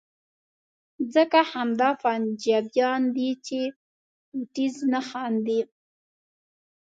ځکه همدا پنجابیان دي چې په ټیز نه خاندي.